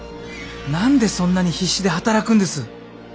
何でそんなに必死で働くんです？